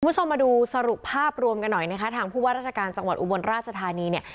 คุณผู้ชมมาดูสรุปภาพรวมกันหน่อยนะคะทางผู้ว่าราชการจังหวัดอุบลราชธานีเนี่ย